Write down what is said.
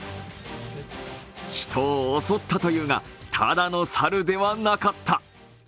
人を襲ったというが、ただの猿ではなかった。